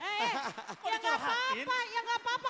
eh ya gak apa apa ya gak apa apa